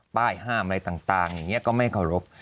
ป้ายห้ามอะไรต่างอย่างนี้ก็ไม่เคารพ